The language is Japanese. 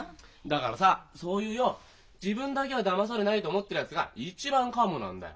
だからさそういうよ自分だけはだまされないと思ってるやつが一番カモなんだよ。